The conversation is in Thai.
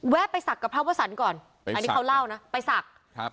ไปศักดิ์กับพระวสันก่อนอันนี้เขาเล่านะไปศักดิ์ครับ